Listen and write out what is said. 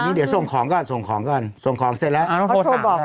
เดี๋ยวส่งของก่อนส่งของก่อนส่งของเสร็จแล้วต้องโทรตาม